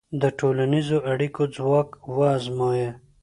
د ټولنیزو اړیکو ځواک وازمویه.